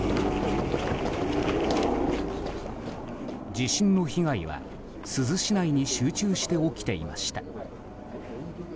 地震の被害は珠洲市内に集中して起きていました。